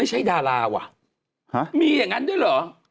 อ้าวใช่ดาราวะมีอย่างงันด้วยหรอ